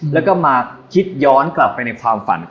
แล้วก็มาคิดย้อนกลับไปในความฝัน